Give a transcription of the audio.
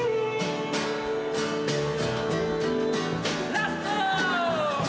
ラスト！